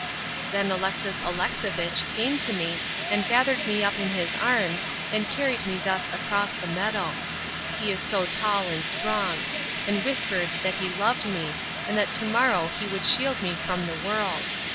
Then Alexis Alexovitch came to me and gathered me up in his arms and carried me thus across the meadow—he is so tall and strong— and whispered that he loved me, and that to morrow he would shield me from the world.